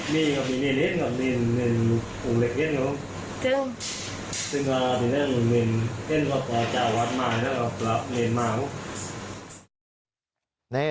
สิ่งที่ได้หมุนเวียนเท่าไหร่จากวัดใหม่แล้วกับกราบเมนเม้าส์